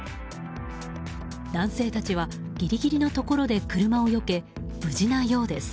男性たちはギリギリのところで車をよけ、無事なようです。